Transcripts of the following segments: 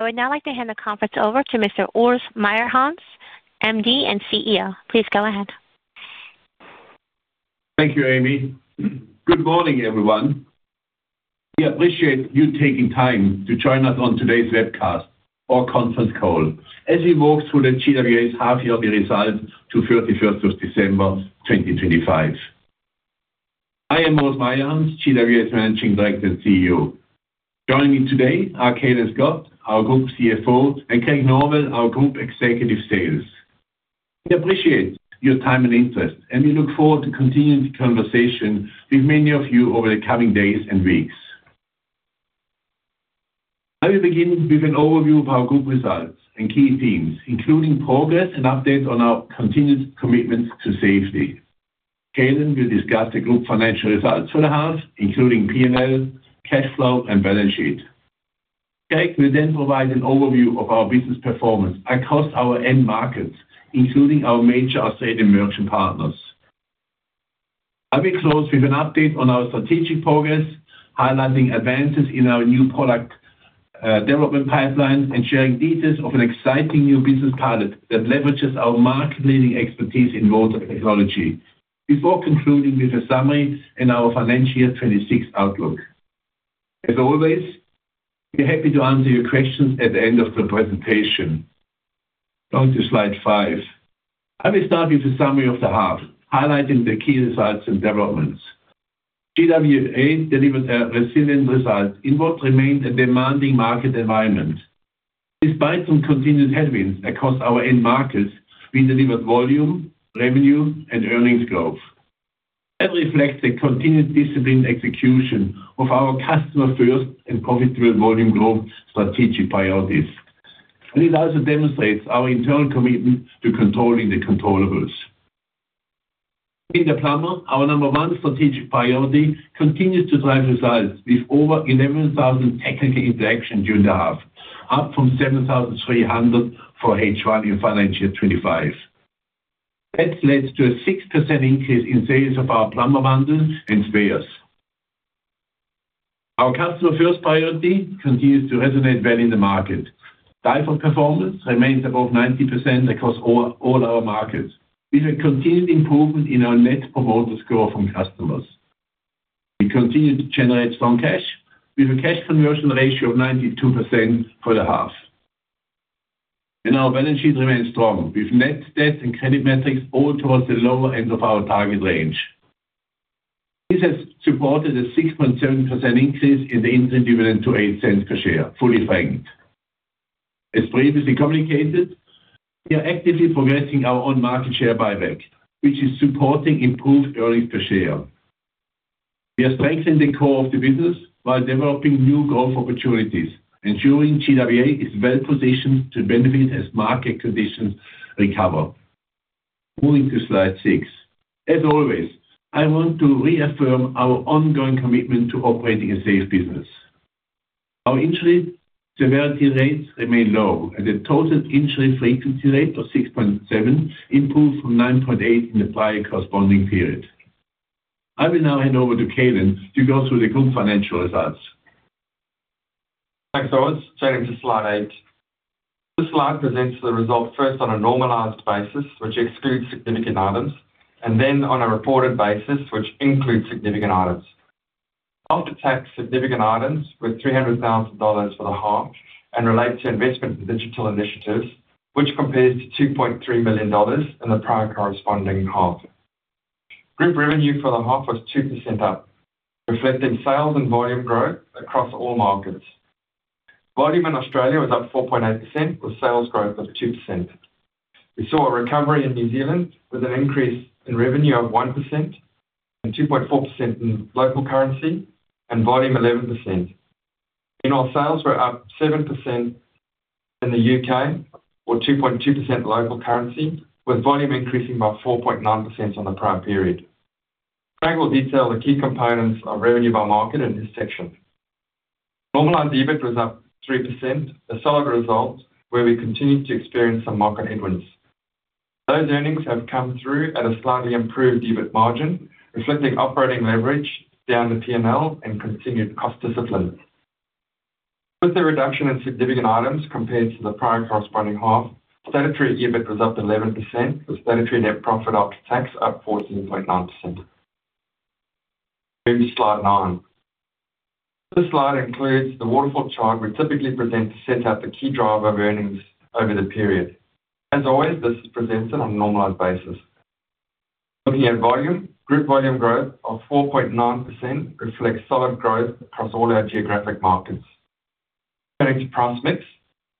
I would now like to hand the conference over to Mr. Urs Meyerhans, MD and CEO. Please go ahead. Thank you, Amy. Good morning, everyone. We appreciate you taking time to join us on today's webcast or conference call as we walk through the GWA's half yearly results to 31st of December, 2025. I am Urs Meyerhans, GWA's Managing Director and CEO. Joining me today are Calin Scott, our Group CFO, and Craig Norwell, our Group Executive Sales. We appreciate your time and interest, and we look forward to continuing the conversation with many of you over the coming days and weeks. I will begin with an overview of our group results and key themes, including progress and updates on our continued commitment to safety. Calin will discuss the group financial results for the half, including P&L, cash flow, and balance sheet. Craig will then provide an overview of our business performance across our end markets, including our major asset and merchant partners. I'll close with an update on our strategic progress, highlighting advances in our new product development pipeline, and sharing details of an exciting new business pilot that leverages our market-leading expertise in water technology. Before concluding with a summary of our Financial Year 2026 outlook. As always, we're happy to answer your questions at the end of the presentation. On to Slide 5. I will start with a summary of the half, highlighting the key results and developments. GWA delivered a resilient result in what remained a demanding market environment. Despite some continued headwinds across our end markets, we delivered volume, revenue, and earnings growth. That reflects a continued disciplined execution of our Customer First and Profitable Volume Growth strategic priorities. And it also demonstrates our internal commitment to controlling the controllables. Win the plumber, our number one strategic priority continues to drive results with over 11,000 technical interactions during the half, up from 7,300 for H1 in Financial 2025. That leads to a 6% increase in sales of our Plumber Bundles and Spares. Our customer first priority continues to resonate well in the market. DIFOT performance remains above 90% across all our markets, with a continued improvement in our Net Promoter Score from customers. We continue to generate strong cash with a cash conversion ratio of 92% for the half. And our balance sheet remains strong, with net debt and credit metrics all towards the lower end of our target range. This has supported a 6.7% increase in the interim dividend to 0.08 per share, fully franked. As previously communicated, we are actively progressing our own market share buyback, which is supporting improved earnings per share. We are strengthening the core of the business while developing new growth opportunities, ensuring GWA is well positioned to benefit as market conditions recover. Moving to Slide 6. As always, I want to reaffirm our ongoing commitment to operating a safe business. Our injury severity rates remain low, and the total injury frequency rate of 6.7% improved from 9.8% in the prior corresponding period. I will now hand over to Calin to go through the group financial results. Thanks, Urs. Turning to Slide 8. This Slide presents the results first on a normalized basis, which excludes significant items, and then on a reported basis, which includes significant items. After-tax significant items with 300,000 dollars for the half and relates to investment in digital initiatives, which compares to 2.3 million dollars in the prior corresponding half. Group revenue for the half was 2% up, reflecting sales and volume growth across all markets. Volume in Australia was up 4.8%, with sales growth of 2%. We saw a recovery in New Zealand, with an increase in revenue of 1% and 2.4% in local currency and volume 11%. In all sales, were up 7% in the U.K., or 2.2% local currency, with volume increasing by 4.9% on the prior period. Craig will detail the key components of revenue by market in this section. Normalized EBIT was up 3%, a solid result where we continued to experience some market headwinds. Those earnings have come through at a slightly improved EBIT margin, reflecting operating leverage down the P&L and continued cost discipline. With the reduction in significant items compared to the prior corresponding half, statutory EBIT was up 11%, with statutory net profit after tax up 14.9%. Moving to Slide 9. This Slide includes the waterfall chart we typically present to set out the key driver of earnings over the period. As always, this is presented on a normalized basis. Looking at volume, group volume growth of 4.9% reflects solid growth across all our geographic markets. Turning to price mix,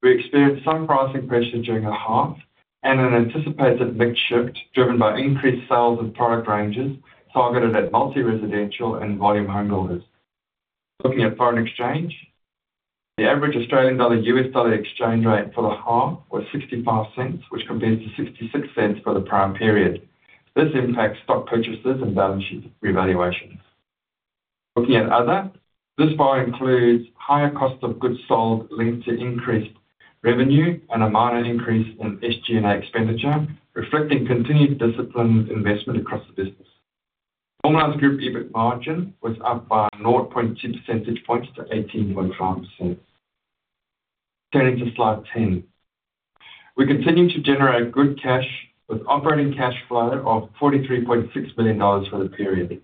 we experienced some pricing pressure during the half and an anticipated mix shift, driven by increased sales and product ranges targeted at multi-residential and volume home builders. Looking at foreign exchange, the average Australian dollar, U.S. dollar exchange rate for the half was $0.65, which compares to $0.66 for the prior period. This impacts stock purchases and balance sheet revaluations. Looking at other, this bar includes higher cost of goods sold linked to increased revenue and a minor increase in SG&A expenditure, reflecting continued disciplined investment across the business. GWA Group EBIT margin was up by 0.2 percentage points to 18.5%. Turning to Slide 10. We continue to generate good cash with operating cash flow of 43.6 million dollars for the period.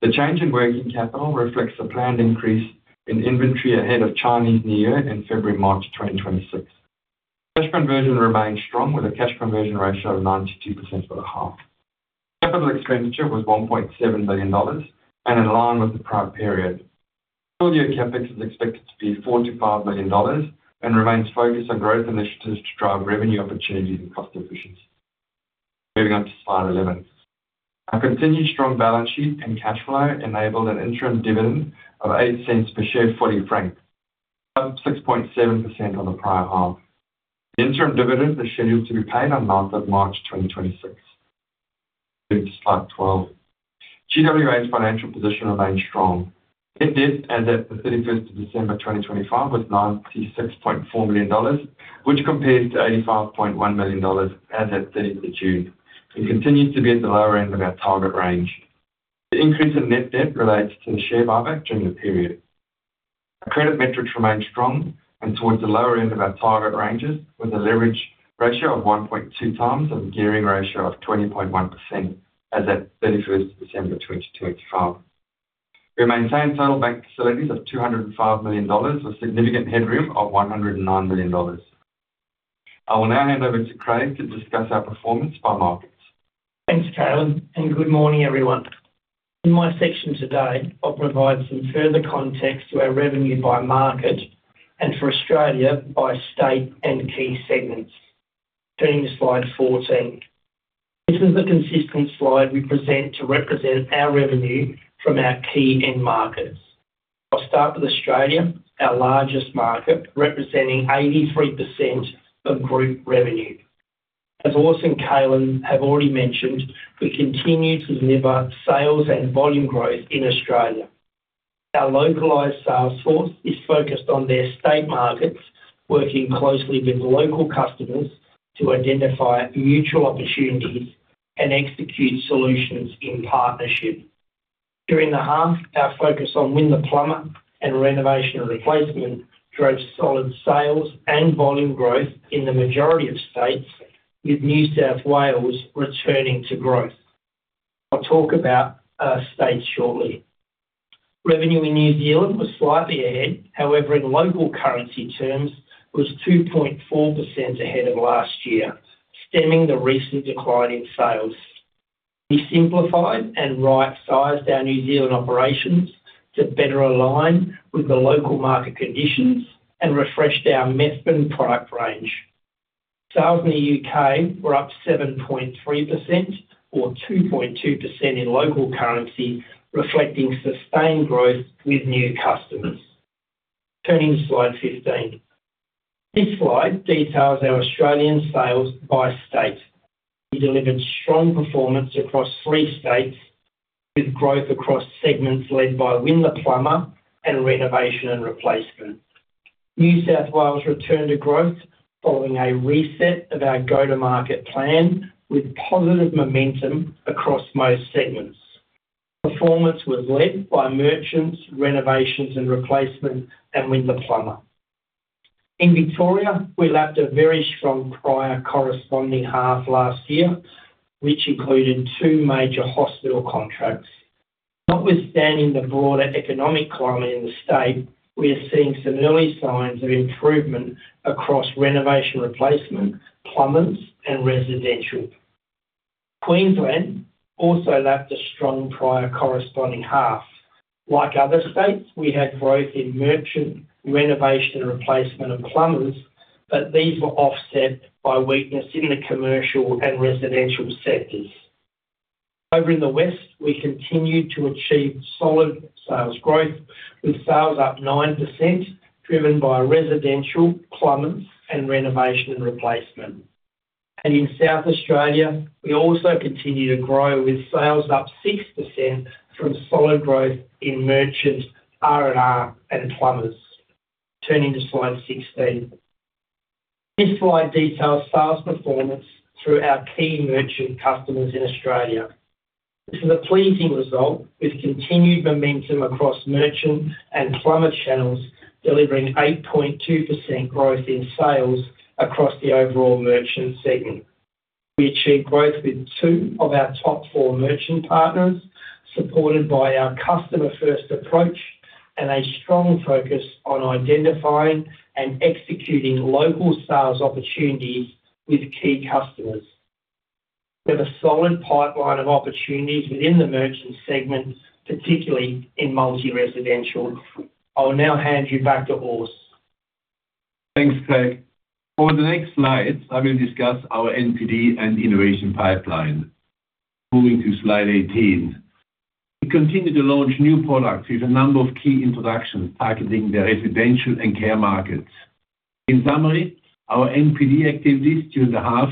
The change in working capital reflects the planned increase in inventory ahead of Chinese New Year in February, March 2026. Cash conversion remains strong, with a cash conversion ratio of 92% for the half. Capital expenditure was 1.7 million dollars and in line with the prior period. Full-year CapEx is expected to be 4 million-5 million dollars and remains focused on growth initiatives to drive revenue opportunities and cost efficiency. Moving on to Slide 11. Our continued strong balance sheet and cash flow enabled an interim dividend of 0.08 per share, fully franked, up 6.7% on the prior half. The interim dividend is scheduled to be paid on month of March 2026. Moving to Slide 12. GWA's financial position remains strong. Net debt as at 31st December 2025 was 96.4 million dollars, which compares to 85.1 million dollars as at 30th June, and continues to be at the lower end of our target range. The increase in net debt relates to the share buyback during the period. Our credit metrics remain strong and towards the lower end of our target ranges, with a leverage ratio of 1.2x and gearing ratio of 20.1% as at 31st December 2025. We maintain total bank facilities of 205 million dollars, with significant headroom of 109 million dollars. I will now hand over to Craig to discuss our performance by markets. Thanks, Calin, and good morning, everyone. In my section today, I'll provide some further context to our revenue by market and for Australia by state and key segments. Turning to Slide 14. This is a consistent Slide we present to represent our revenue from our key end markets. I'll start with Australia, our largest market, representing 83% of group revenue. As Urs and Calin have already mentioned, we continue to deliver sales and volume growth in Australia. Our localized sales force is focused on their state markets, working closely with local customers to identify mutual opportunities and execute solutions in partnership. During the half, our focus on Win the Plumber and renovation and replacement drove solid sales and volume growth in the majority of states, with New South Wales returning to growth. I'll talk about our states shortly. Revenue in New Zealand was slightly ahead, however, in local currency terms was 2.4% ahead of last year, stemming the recent decline in sales. We simplified and right-sized our New Zealand operations to better align with the local market conditions and refreshed our Methven product range. Sales in the U.K. were up 7.3% or 2.2% in local currency, reflecting sustained growth with new customers. Turning to Slide 15. This Slide details our Australian sales by state. We delivered strong performance across three states, with growth across segments led by Win the Plumber and renovation and replacement. New South Wales returned to growth following a reset of our go-to-market plan, with positive momentum across most segments. Performance was led by merchants, renovations and replacement, and Win the Plumber. In Victoria, we lapped a very strong prior corresponding half last year, which included two major hospital contracts. Notwithstanding the broader economic climate in the state, we are seeing some early signs of improvement across renovation replacement, plumbers, and residential. Queensland also lapped a strong prior corresponding half. Like other states, we had growth in merchant, renovation and replacement, and plumbers, but these were offset by weakness in the commercial and residential sectors. Over in the West, we continued to achieve solid sales growth, with sales up 9%, driven by residential, plumbers, and renovation and replacement. And in South Australia, we also continue to grow, with sales up 6% from solid growth in merchant, R&R, and plumbers. Turning to Slide 16. This Slide details sales performance through our key merchant customers in Australia. This is a pleasing result, with continued momentum across merchant and plumber channels, delivering 8.2% growth in sales across the overall merchant segment. We achieved growth with two of our top four merchant partners, supported by our customer-first approach and a strong focus on identifying and executing local sales opportunities with key customers. We have a solid pipeline of opportunities within the merchant segment, particularly in Multi-residential. I will now hand you back to Urs. Thanks, Craig. Over the next Slides, I will discuss our NPD and innovation pipeline. Moving to Slide 18. We continue to launch new products with a number of key introductions targeting the residential and care markets. In summary, our NPD activities during the half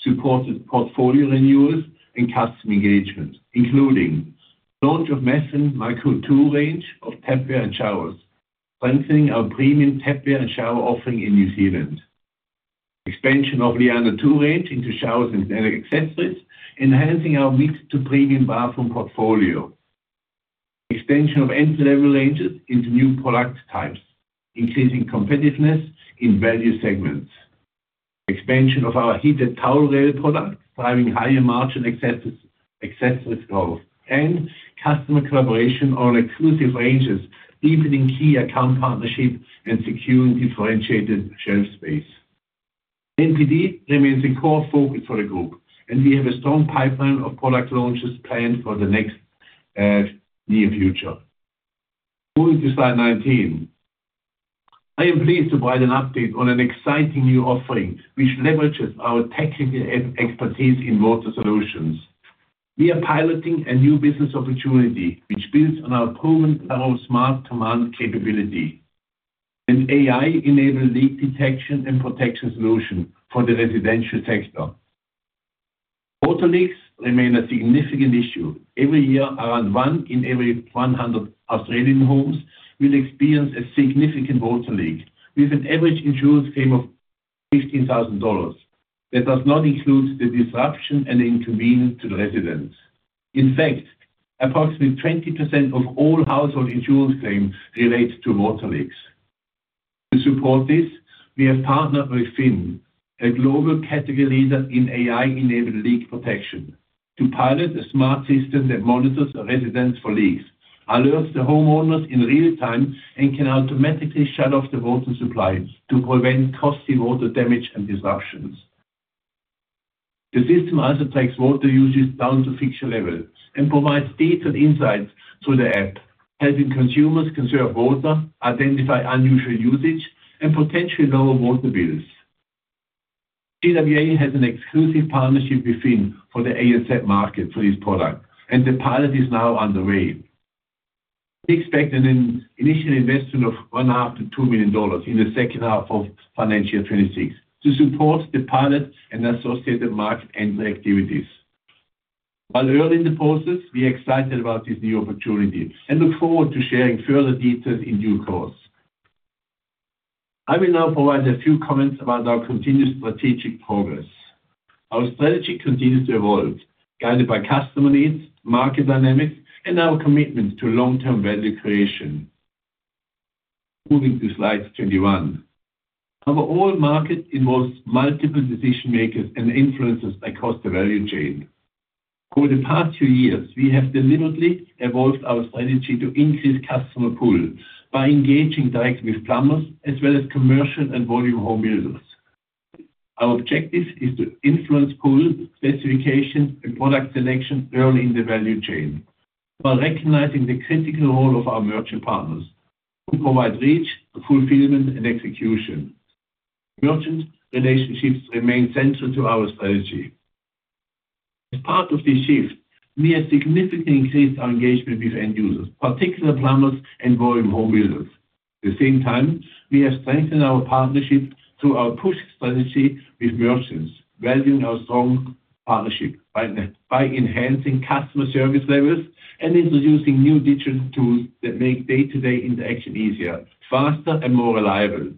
supported portfolio renewals and customer engagement, including launch of Methven Maku II range of tapware and showers, enhancing our premium tapware and shower offering in New Zealand. Expansion of Liano II range into showers and accessories, enhancing our mix to premium bathroom portfolio. Extension of entry-level ranges into new product types, increasing competitiveness in value segments. Expansion of our heated towel rail product, driving higher margin access, accessories growth, and customer collaboration on exclusive ranges, deepening key account partnership and securing differentiated shelf space. NPD remains a core focus for the group, and we have a strong pipeline of product launches planned for the next, near future. Moving to Slide 19. I am pleased to provide an update on an exciting new offering, which leverages our technical expertise in water solutions. We are piloting a new business opportunity, which builds on our proven level of Smart Command capability. An AI-enabled leak detection and protection solution for the residential sector. Water leaks remain a significant issue. Every year, around in every 100 Australian homes will experience a significant water leak, with an average insurance claim of 15,000 dollars. That does not include the disruption and inconvenience to the residents. In fact, approximately 20% of all household insurance claims relate to water leaks. To support this, we have partnered with Phyn, a global category leader in AI-enabled leak protection, to pilot a smart system that monitors residents for leaks, alerts the homeowners in real time, and can automatically shut off the water supply to prevent costly water damage and disruptions. The system also takes water usage down to fixture level and provides detailed insights through the app, helping consumers conserve water, identify unusual usage, and potentially lower water bills. GWA has an exclusive partnership with Phyn for the ASX market for this product, and the pilot is now underway. We expect an initial investment of 1.5 million-2 million dollars in the second half of financial 2026 to support the pilot and associated market entry activities. While early in the process, we are excited about this new opportunity and look forward to sharing further details in due course. I will now provide a few comments about our continued strategic progress. Our strategy continues to evolve, guided by customer needs, market dynamics, and our commitment to long-term value creation. Moving to Slide 21. Our overall market involves multiple decision makers and influencers across the value chain. Over the past two years, we have deliberately evolved our strategy to increase customer pool by engaging directly with plumbers as well as commercial and volume home builders. Our objective is to influence pool specification and product selection early in the value chain, while recognizing the critical role of our merchant partners who provide reach, fulfillment, and execution. Merchant relationships remain central to our strategy. As part of this shift, we have significantly increased our engagement with end users, particularly plumbers and volume home builders. At the same time, we have strengthened our partnership through our push strategy with merchants, valuing our strong partnership by enhancing customer service levels and introducing new digital tools that make day-to-day interaction easier, faster, and more reliable.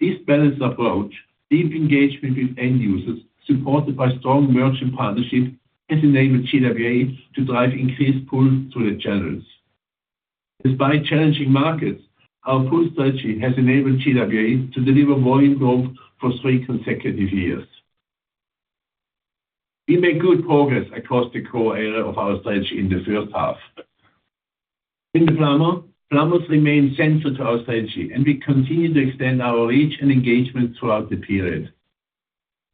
This balanced approach, deep engagement with end users, supported by strong merchant partnerships, has enabled GWA to drive increased pull through the channels. Despite challenging markets, our pull strategy has enabled GWA to deliver volume growth for three consecutive years. We made good progress across the core area of our strategy in the first half. In the Plumbers, Plumbers remain central to our strategy, and we continue to extend our reach and engagement throughout the period.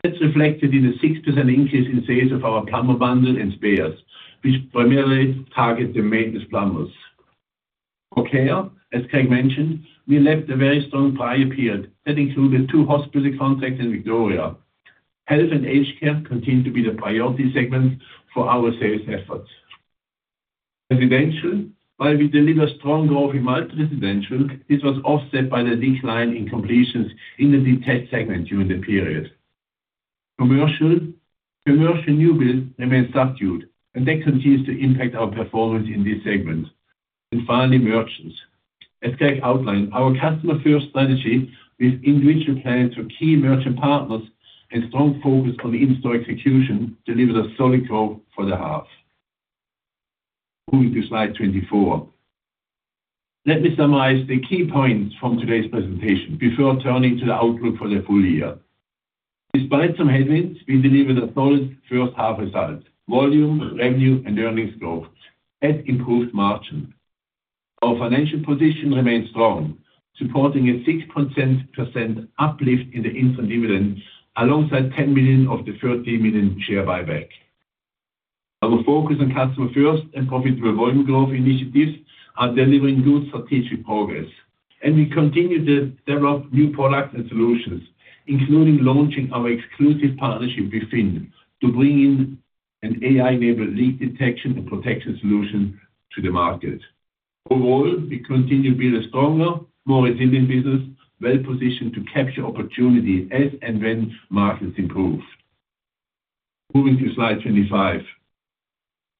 That's reflected in a 6% increase in Plumber Bundles and Spares, which primarily target the maintenance plumbers. For care, as Craig mentioned, we had a very strong prior period that included two hospital contracts in Victoria. Health and aged care continue to be the priority segments for our sales efforts. Residential. While we deliver strong growth in multi-residential, this was offset by the decline in completions in the detached segment during the period. Commercial. Commercial new build remains subdued, and that continues to impact our performance in this segment. Finally, merchants. As Craig outlined, our customer-first strategy with individual plans for key merchant partners and strong focus on in-store execution delivered a solid growth for the half. Moving to Slide 24. Let me summarize the key points from today's presentation before turning to the outlook for the full year. Despite some headwinds, we delivered a solid first half result, volume, revenue, and earnings growth, and improved margin. Our financial position remains strong, supporting a 6% uplift in the interim dividend, alongside 10 million of the 13 million share buyback. Our focus on customer-first and profitable volume growth initiatives are delivering good strategic progress, and we continue to develop new products and solutions, including launching our exclusive partnership with Phyn to bring in an AI-enabled leak detection and protection solution to the market. Overall, we continue to build a stronger, more resilient business, well-positioned to capture opportunity as and when markets improve. Moving to Slide 25.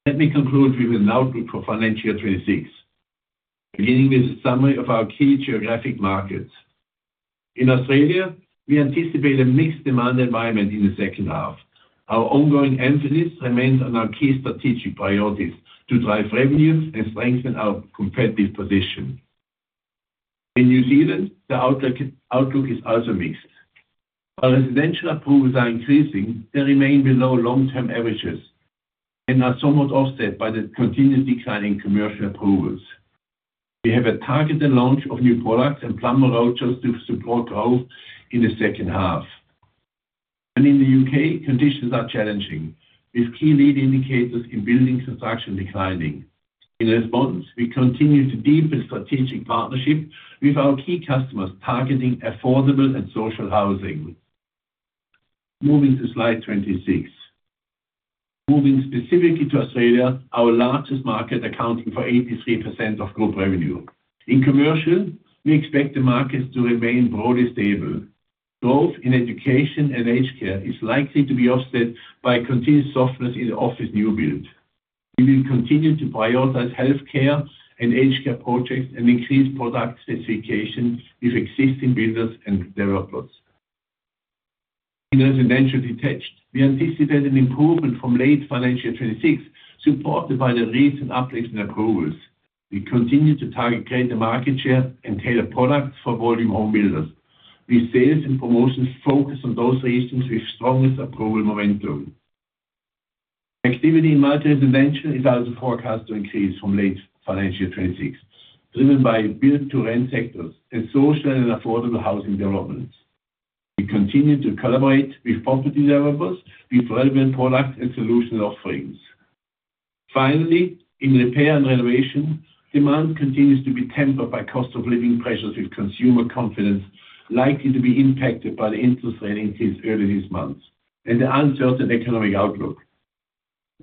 Let me conclude with an outlook for Financial 26, beginning with a summary of our key geographic markets. In Australia, we anticipate a mixed demand environment in the second half. Our ongoing emphasis remains on our key strategic priorities to drive revenues and strengthen our competitive position. In New Zealand, the outlook is also mixed. While residential approvals are increasing, they remain below long-term averages and are somewhat offset by the continued declining commercial approvals. We have a targeted launch of new products and plumber routes to support growth in the second half. And in the U.K., conditions are challenging, with key lead indicators in building construction declining. In response, we continue to deepen strategic partnership with our key customers, targeting affordable and social housing. Moving to Slide 26. Moving specifically to Australia, our largest market, accounting for 83% of group revenue. In commercial, we expect the markets to remain broadly stable. Growth in education and aged care is likely to be offset by continued softness in office new build. We will continue to prioritize healthcare and aged care projects and increase product specification with existing builders and developers. In residential detached, we anticipate an improvement from late Financial 26, supported by the recent uplift in approvals. We continue to target greater market share and tailor products for volume home builders, with sales and promotions focused on those regions with strongest approval momentum. Activity in multi-residential is also forecast to increase from late Financial 26, driven by build-to-rent sectors and social and affordable housing developments. We continue to collaborate with property developers with relevant product and solution offerings. Finally, in repair and renovation, demand continues to be tempered by cost of living pressures, with consumer confidence likely to be impacted by the interest rate increase earlier this month and the uncertain economic outlook.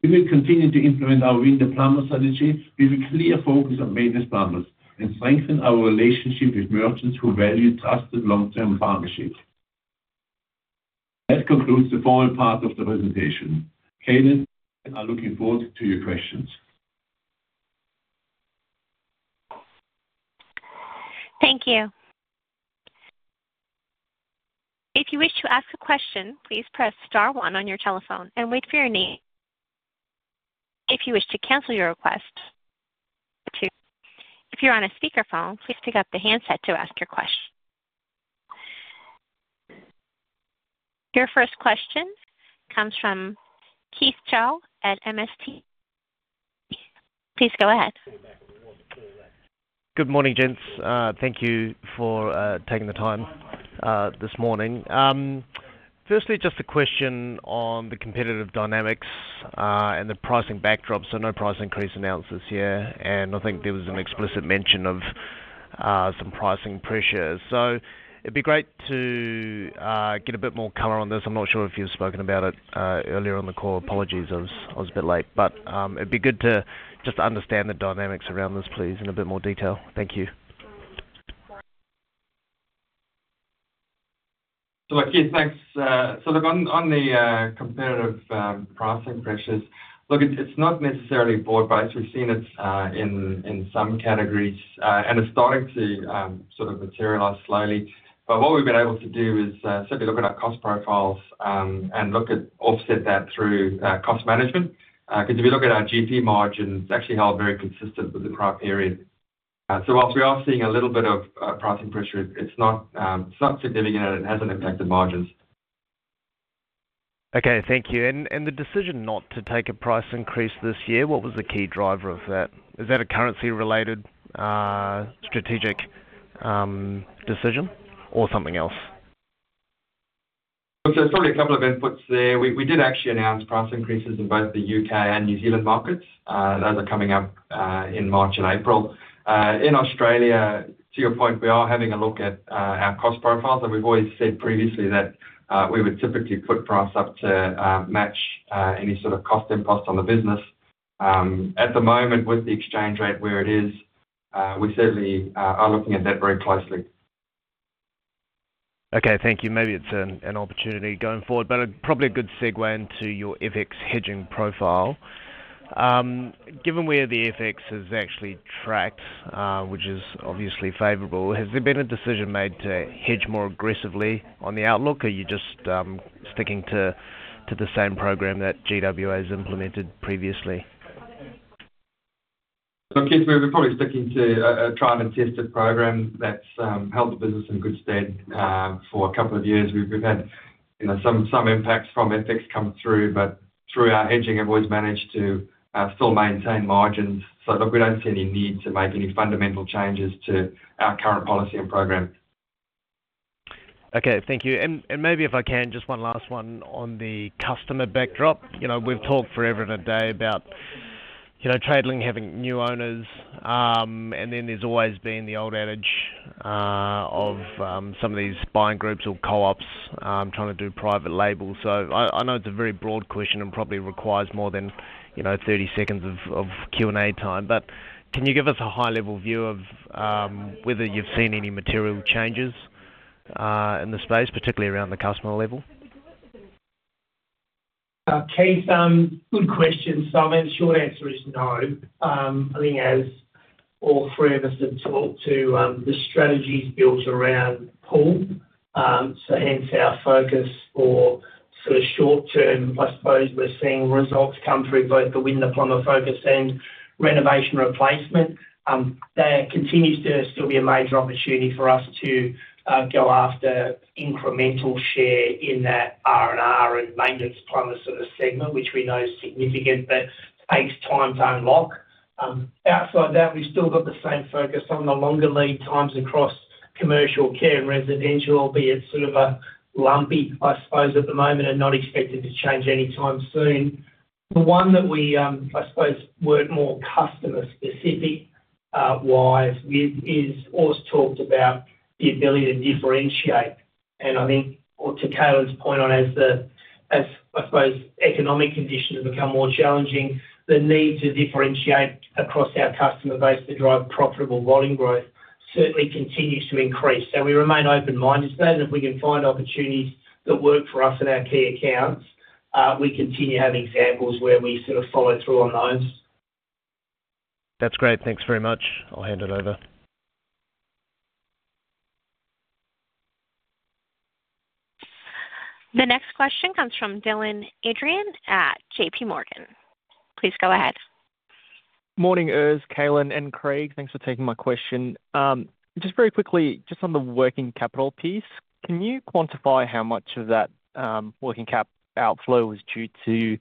We will continue to implement our win the plumber strategy with a clear focus on maintenance partners and strengthen our relationship with merchants who value trusted long-term partnerships. That concludes the formal part of the presentation. Calin, I'm looking forward to your questions. Thank you. If you wish to ask a question, please press star one on your telephone and wait for your name. If you wish to cancel your request, two. If you're on a speakerphone, please pick up the handset to ask your question. Your first question comes from Keith Chau at MST. Please go ahead. Good morning, gents. Thank you for taking the time this morning. Firstly, just a question on the competitive dynamics and the pricing backdrop. So no price increase announced this year, and I think there was an explicit mention of some pricing pressures. So it'd be great to get a bit more color on this. I'm not sure if you've spoken about it earlier on the call. Apologies, I was a bit late, but it'd be good to just understand the dynamics around this, please, in a bit more detail. Thank you. So, Keith, thanks. So look, on, on the competitive pricing pressures, look, it's, it's not necessarily broad-based. We've seen it in, in some categories, and it's starting to sort of materialize slowly. But what we've been able to do is simply look at our cost profiles, and look at offset that through cost management. Because if you look at our GP margins, it's actually held very consistent with the prior period. So whilst we are seeing a little bit of pricing pressure, it's not, it's not significant, and it hasn't impacted margins. Okay, thank you. And the decision not to take a price increase this year, what was the key driver of that? Is that a currency-related, strategic, decision or something else? Look, so there's probably a couple of inputs there. We did actually announce price increases in both the U.K. and New Zealand markets. Those are coming up in March and April. In Australia, to your point, we are having a look at our cost profiles, and we've always said previously that we would typically put price up to match any sort of cost imposed on the business. At the moment, with the exchange rate where it is, we certainly are looking at that very closely. Okay, thank you. Maybe it's an opportunity going forward, but probably a good segue into your FX hedging profile. Given where the FX has actually tracked, which is obviously favorable, has there been a decision made to hedge more aggressively on the outlook, or are you just sticking to the same program that GWA's implemented previously? Look, Keith, we're probably sticking to a tried-and-tested program that's held the business in good stead for a couple of years. We've had, you know, some impacts from FX come through, but through our hedging, have always managed to still maintain margins. So look, we don't see any need to make any fundamental changes to our current policy and program. Okay, thank you. And maybe if I can, just one last one on the customer backdrop. You know, we've talked forever and a day about, you know, Tradelink having new owners, and then there's always been the old adage of some of these buying groups or co-ops trying to do private labels. So I know it's a very broad question and probably requires more than, you know, 30 seconds of Q&A time, but can you give us a high-level view of whether you've seen any material changes in the space, particularly around the customer level? Keith, good question. So I mean, the short answer is no. I think as all three of us have talked to, the strategy is built around pool. So hence our focus for sort of short term, I suppose we're seeing results come through both the win plumber focus and renovation replacement. That continues to still be a major opportunity for us to go after incremental share in that R&R and maintenance plumber sort of segment, which we know is significant, but takes time to unlock. Outside that, we've still got the same focus on the longer lead times across commercial, care, and residential, be it sort of a lumpy, I suppose at the moment, and not expected to change any time soon. The one that we, I suppose weren't more customer specific, wise is, is always talked about the ability to differentiate. And I think or to Calin’s point on as the, as, I suppose, economic conditions become more challenging, the need to differentiate across our customer base to drive profitable volume growth certainly continues to increase, and we remain open-minded. So then, if we can find opportunities that work for us in our key accounts, we continue to have examples where we sort of follow through on those. That's great. Thanks very much. I'll hand it over. The next question comes from Dylan Adrian at JPMorgan. Please go ahead. Morning, Urs, Calin, and Craig. Thanks for taking my question. Just very quickly, just on the working capital piece, can you quantify how much of that, working cap outflow was due to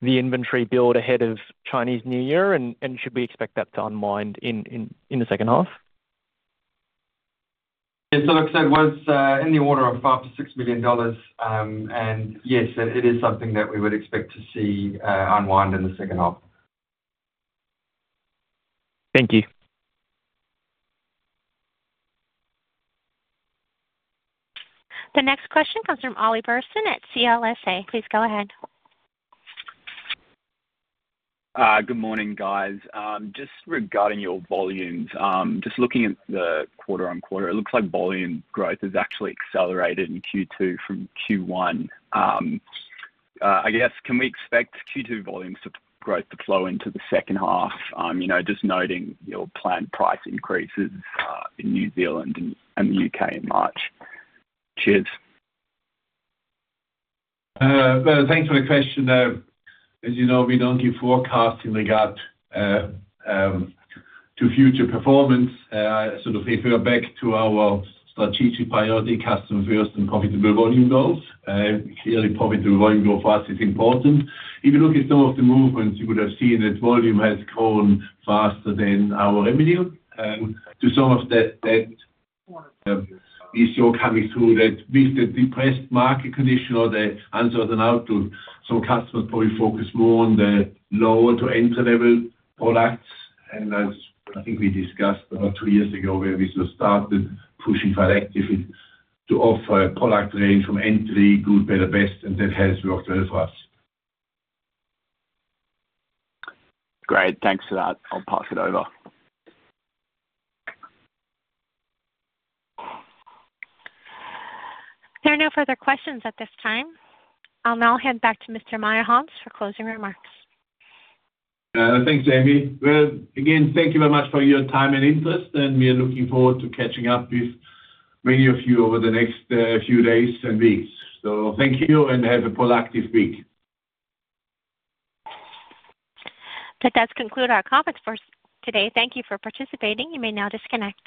the inventory build ahead of Chinese New Year? And should we expect that to unwind in the second half? Yes. So like I said, was in the order of 5 million-6 million dollars. And yes, it is something that we would expect to see unwind in the second half. Thank you. The next question comes from Ollie Burson at CLSA. Please go ahead. Good morning, guys. Just regarding your volumes, just looking at the quarter-on-quarter, it looks like volume growth has actually accelerated in Q2 from Q1. I guess, can we expect Q2 volumes to growth to flow into the second half? You know, just noting your planned price increases, in New Zealand and, and the U.K. in March. Cheers. Well, thanks for the question. As you know, we don't give forecast in regard to future performance. Sort of if we are back to our strategic priority, customer first and profitable volume goals, clearly profitable volume growth for us is important. If you look at some of the movements, you would have seen that volume has grown faster than our revenue. To some of that issue coming through, that with the depressed market condition or the answer than out, some customers probably focus more on the lower to entry-level products. As I think we discussed about two years ago, where we sort of started pushing quite actively to offer a product range from entry, good, better, best, and that has worked well for us. Great, thanks for that. I'll pass it over. There are no further questions at this time. I'll now hand back to Mr. Meyerhans for closing remarks. Thanks, Amy. Well, again, thank you very much for your time and interest, and we are looking forward to catching up with many of you over the next few days and weeks. So thank you and have a productive week. That does conclude our conference for today. Thank you for participating. You may now disconnect.